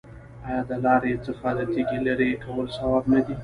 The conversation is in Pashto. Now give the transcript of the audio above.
آیا د لارې څخه د تیږې لرې کول ثواب نه دی؟